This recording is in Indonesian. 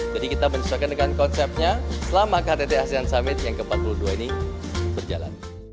kita menyesuaikan dengan konsepnya selama ktt asean summit yang ke empat puluh dua ini berjalan